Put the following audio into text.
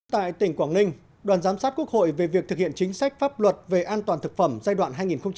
tại tỉnh quảng ninh đoàn giám sát quốc hội về việc thực hiện chính sách pháp luật về an toàn thực phẩm giai đoạn hai nghìn một mươi bốn hai nghìn hai mươi